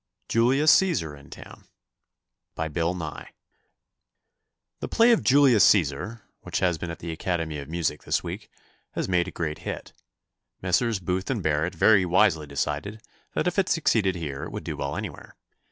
Julius Cæsar in Town The play of "Julius Cæsar," which has been at the Academy of Music this week, has made a great hit. Messrs. Booth and Barrett very wisely decided that if it succeeded here it would do well anywhere.